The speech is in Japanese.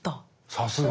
さすが！